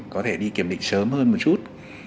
có thể đi kiểm định sớm hơn một chút